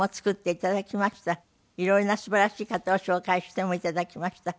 色々なすばらしい方を紹介しても頂きました。